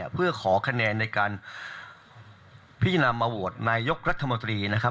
เพื่อขอคะแนนในการพิจารณามาโหวตนายกรัฐมนตรีนะครับ